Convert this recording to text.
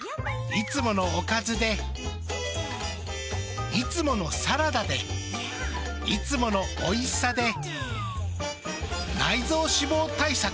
いつものおかずでいつものサラダでいつものおいしさで内臓脂肪対策。